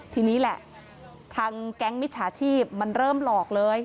ทีนี้แหละทางแก๊งมิจฉาชีพมันเริ่มหลอกเลย